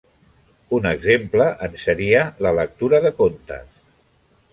Un exemple en seria la lectura de contes.